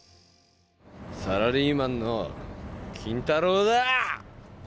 サラリーマンの金太郎だ！